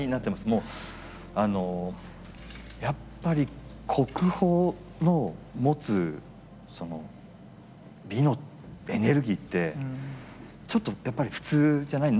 もうあのやっぱり国宝の持つその美のエネルギーってちょっとやっぱり普通じゃない。